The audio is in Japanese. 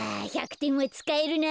１００てんはつかえるな。